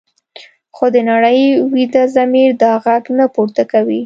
خو د نړۍ ویده ضمیر دا غږ نه پورته کوي.